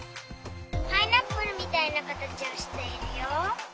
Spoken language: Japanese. パイナップルみたいなかたちをしているよ。